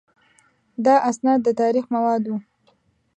دا اسناد د تاریخ مواد وو.